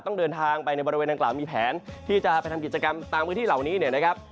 ต้องเดินทางไปในบริเวณดังกล่าวมีแผนที่จะไปทำกิจกรรมตามพื้นที่เหล่านี้เนี่ยนะครับ